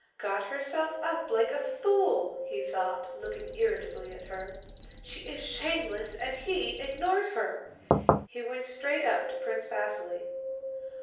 "Got herself up like a fool!" he thought, looking irritably at her. "She is shameless, and he ignores her!" He went straight up to Prince Vasíli.